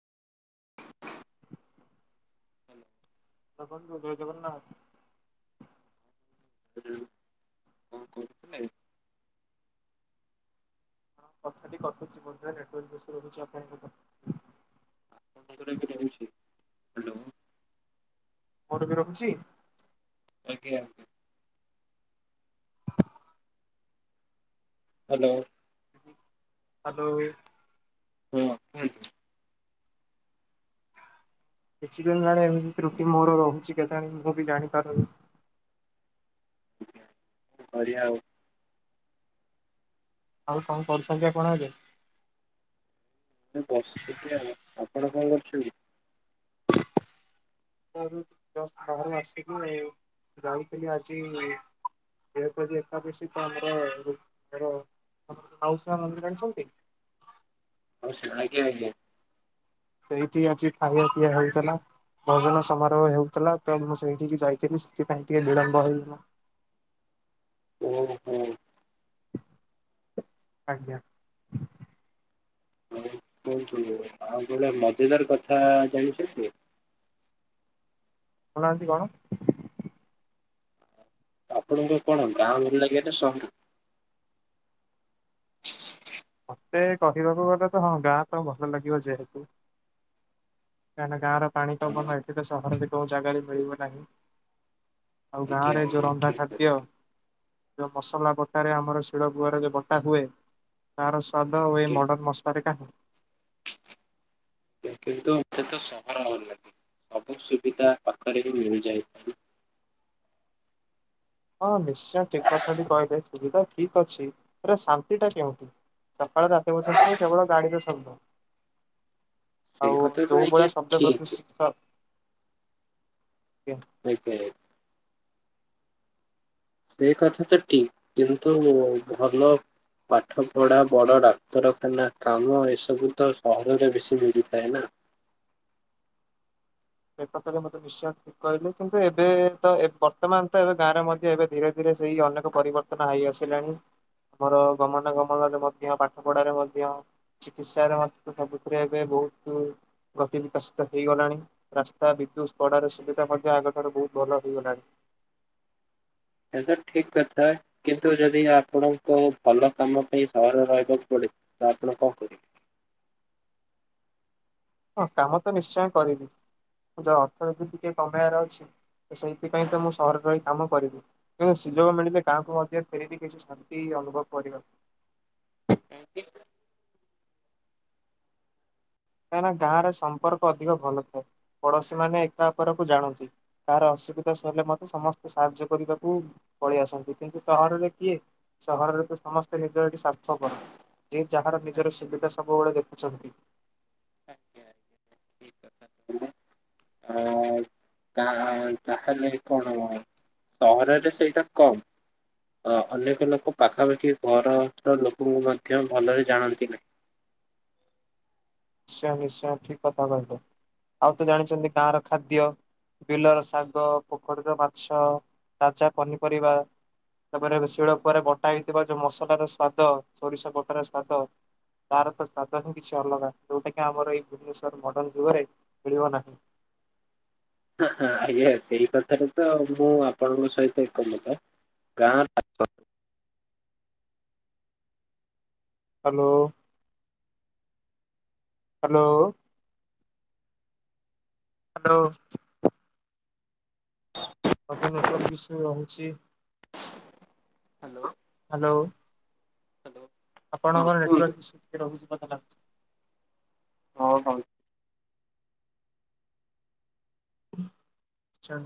Hello ହଁ- ବନ୍ଧୁ ଜୟ ଜଗନ୍ନାଥ୍। ହୁଁ ହଁ ଖାଇବୁ କଥାଟି କଟୁଚି ବୋଧହୁଏ ନେଟୱାର୍କ ଇଶୁ ରହୁଚି ଆପଣଙ୍କର। [inaudible] [unintelligible] ଆଜ୍ଞା। ହାଲୋ। ହାଲୋ। ହଁ ଅ। କିଛି ଦିନି ହେଲାଣି ଏମିତି ତ୍ରୁଟି ମୋର ରହୁଛି କେଜାଣି, ମୁଁ ବି ଜାଣିପାରୁନି। ବଢିଆ ଆଉ। ଆଉ କଣ କରୁଛନ୍ତି ଆପଣ ଏବେ? ବସିଚି ଟିକେ ଆଉ। ଆପଣ କଣ କରୁଛନ୍ତି? ବାହାରୁ, ଜଷ୍ଟ ବାହାରୁ ଆସିଲୁ, ଯାଉଥିଲି ଆଜି- ଯେହେତୁ ଆଜି ଏକାଦଶୀ ତ ଆମର, ଆମର ମାଉସୀ ମା ମନ୍ଦିର ଜାଣିଛନ୍ତି? ଆଜ୍ଞା, ଆଜ୍ଞା। ସେଇଠି ଆଜି ଖାଇବା ପିଇଆ ହେଇଥିଲା। ଭଜନ ସମାରୋହ ହେଉଥିଲା, ତ ମୁଁ ସେଇଠିକି ଯାଇଥିଲି, ସେଥିପାଇଁ ଟିକେ ବିଳମ୍ବ ହେଇଗଲା। ଓ ହୋ। ଆଜ୍ଞା। ହଉ କୁହନ୍ତୁ, ଆଉ ଗୋଟେ ମଜେଦାର କଥା ଜାଣିଛନ୍ତି? କହୁନାହାନ୍ତି କଣ? ଆପଣଙ୍କୁ କଣ ଗାଁ ଭଲ ଲାଗେ ନା ସହର? [unintelligible] ମତେ କହିବାକୁ ଗଲେ ତ ହଁ, ଗାଁ ତ ଭଲ ଲାଗିବ ଯେହେତୁ କାହିଁକି ନା, ଗାଁର ପାଣି ହଁ, ପବନ ଏଠି ତ ସହର ବି କୋଉ ଜାଗାରେ ମିଳିବ ନାହିଁ। ଆଉ ଆଜ୍ଞା ଗାଁ ରେ ଯୋଉ ଆଜ୍ଞା ରନ୍ଧା ଠିକ ଅଛି ଖାଦ୍ୟ ଯେଉଁ ମସଲା ବଟାରେ, ଆମର ଶିଳପୁଅର ଯେଉ ବଟା ହୁଏ ତାର ସ୍ୱାଦ ଆଉ ଏଇ ମଡ଼ନ ମସଲାରେ କାହିଁ? କିନ୍ତୁ ମତେ ତ ସହର ଭଲ ଲାଗେ, ସବୁ ସୁବିଧା ପାଖରେ ହିଁ ମିଳିଯାଇଥାଏ। ହଁ ନିଶ୍ଚୟ ଠିକ କଥାଟି କହିଲେ, ସୁବିଧା ଠିକ ଅଛି, ଶାନ୍ତି ଟା କେଉଁଠି? ସକାଳେ ରାତି ପର୍ଯ୍ୟନ୍ତ କେବଳ ଗାଡିର ଶଦ୍ଦ। ସେଇ ଆଉ କଥା ତ ଯୋଉ ଆଜ୍ଞା ଭଳିଆ ଶବ୍ଦ ଠିକ ପ୍ରଦୂଶିତ- ଆଜ୍ଞା। ପେ ପେ। ସେଇ କଥା ତ ଠିକ, କିନ୍ତୁ ଭଲ- ପାଠ ପଢା, ବଡ ଡାକ୍ତରଖାନା କାମ, ଏସବୁ ତ ସହରରେ ବେଶି ମିଳିଥାଏ ନା। ଏ ପତରୁ ମତେ ନିଶଚୟ କହିଲୁ କିନ୍ତୁ ଏବେ ତ, ବର୍ତ୍ତମାନ ତ ଏବେ ଗାଁରେ ମଧ୍ୟ ଏବେ ଧୀରେ ଧୀରେ ସେଇ ଅନେକ ପରିବର୍ତ୍ତନ ତ ହେଇ ଆସିଲାଣି, ଆମର ଗମନାଗମନରେ ମଧ୍ୟ, ପାଠ ପଢାରେ ମଧ୍ୟ। ଚିକିତ୍ସାରେ, ହ ସବୁଥିରେ ଏବେ ବହୁତ ଗତି ବିକଶିତ ହେଇଗଲାଣି। ରାସ୍ତା, ବିଦ୍ୟୁତ୍, କଡାର ସୁବିଧା ମଧ୍ୟ ଆଗଠାରୁ ବହୁତ ଭଲ ହେଇଗଲାଣି। ଏ ତ ଠିକ କଥା, କିନ୍ତୁ ଯଦି ଆପଣଙ୍କ ଭଲ କାମ ପାଇଁ ସହର ରହିବାକୁ ପଡେ ତ ଆପଣ କଣ କରିବେ? ହଁ କାମ ତ ନିଶ୍ଚୟ କରିବି, ଯୋଉ ଅର୍ଥନୀତି ଟିକେ କମେଇବାର ଅଛି। ସେଇଥିପାଇଁ ତ ମୁଁ ସହରରେ ରହି କାମ କରିବି। କିନ୍ତୁ ସୁଯୋଗ ମିଳିଲେ କାହାକୁ ମଧ୍ୟ ଫେରିକି କିଛି ଶାନ୍ତି ଅନୁଭବ କରିବ। କାହିଁକି? କାହିଁକିନା ଗାଁରେ ସମ୍ପର୍କ ଅଧିକ ଭଲ ଥାଏ, ପଡୋଶୀ ମାନେ ଏକା ଉପରକୁ ଜାଣନ୍ତି। କାହାର ଅସୁବିଧା ସରିଲେ ମତେ, ସମସ୍ତେ ସାହାଯ୍ୟ କରିବାକୁ ପଳେଇ ଆସନ୍ତି, କିନ୍ତୁ ସହରରେ କିଏ ସହରରେ ତ ସମସ୍ତେ ନିଜ ଏଠି ସ୍ୱାର୍ଥ ପର। ଯିଏ ଯାହାର ନିଜର ସୁବିଧା ସବୁବେଳେ ଦେଖୁଛନ୍ତି। ଆଜ୍ଞା, ଆଜ୍ଞା। ଆଁ ତା, ତାହେଲେ କଣ, ସହରରେ ସେଇଟା କମ୍। ଅ ଅନେକ ଲୋକ ପାଖାପାଖି ଘରର ଲୋକଙ୍କୁ ମଧ୍ୟ ଭଲରେ ଜାଣନ୍ତି ନାହିଁ। ନିଶ୍ଚୟ ନିଶ୍ଚୟ ଠିକ କଥା କହିଲେ ଆଉ ତ ଜାଣିଛନ୍ତି ଗାଁର ଖାଦ୍ୟ। ବିଲର ଶାଗ ପୋଖରୀର ମାଛ ତାଜା ପନିପରିବା। ତାପରେ ଶିଳ କୁଆରେ ବଟା ହେଇଥିବା ଯୋଉ ମସଲାର ସ୍ଵାଦ ସୋରିଷ ବଟାର ସ୍ଵାଦ। ତାର ତ ସୁଆଦ ହିଁ କିଛି ଅଲଗା ଯୋଉଟା କିି ଆମର ଏଇ ଭୁବନେଶ୍ଵର ମଡନ ଯୁଗରେ ମିଳିବ ନାହିଁ। ଏହଁ ଏହଁ ଆଜ୍ଞା ସେଇ କଥାରେ ତ ମୁଁ ଆପଣଙ୍କ ସହିତ ଏକମତ। ଗାଁ [unintelligible] ହାଲୋ। ହାଲୋ। ହାଲୋ। ହ ଅଧେ ନେଟୱାର୍କ ଇଶୁ ରହୁଚି। ହାଲୋ। ହାଲୋ। ହାଲୋ। ଆପଣଙ୍କର ନେଟୱାର୍କ ଇଶୁ ଟିକିଏ ରହୁଛି ମତେ ଲାଗୁଚି। ହଁ ହଉ ହୁଁ